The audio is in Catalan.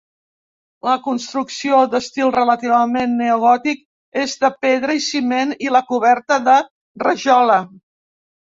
La construcció, d'estil relativament neogòtic, és de pedra i ciment i la coberta de rajola.